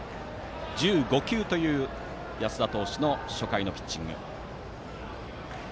１５球という安田投手の初回のピッチング。